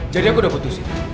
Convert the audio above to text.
jadi aku udah putusin